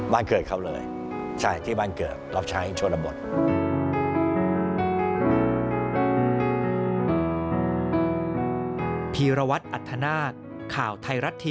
เกิดเขาเลยใช่ที่บ้านเกิดรับใช้ชนบท